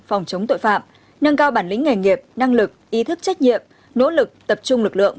phòng chống tội phạm nâng cao bản lĩnh nghề nghiệp năng lực ý thức trách nhiệm nỗ lực tập trung lực lượng